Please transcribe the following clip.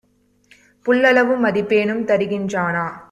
புல்லளவு மதிப்பேனும் தருகின் றானா?